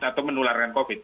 atau menularan covid